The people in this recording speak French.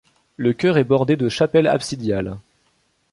Le chœur est bordé de chapelles absidiales.